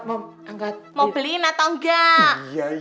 mau beliin atau enggak